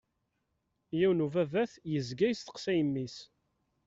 Yiwen n ubabat yezga yesteqsay mmi-s.